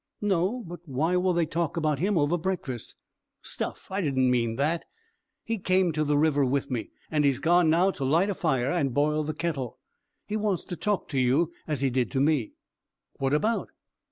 "No. But why will they talk about him over breakfast?" "Stuff! I didn't mean that. He came to the river with me, and he's gone now to light a fire and boil the kettle. He wants to talk to you as he did to me." "What about?"